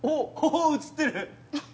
お映ってる。